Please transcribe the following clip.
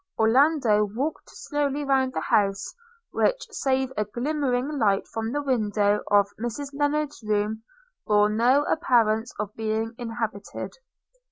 Orlando walked slowly round the house, which, save a glimmering light from the window of Mrs Lennard's room, bore no appearance of being inhabited.